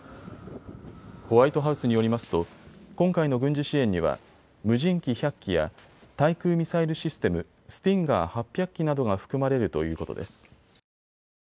ホワイトハウスによりますと今回の軍事支援には無人機１００機や対空ミサイルシステムスティンガー８００基などが含まれるということです。